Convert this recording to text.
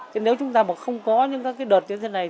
thế nếu chúng ta mà không có những cái đợt như thế này